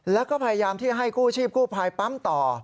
แล้วก็พยายามที่ให้กู้ชีพกู้ภัยปั๊มต่อ